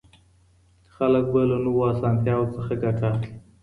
خلګ به له نويو اسانتياوو څخه ګټه اخلي.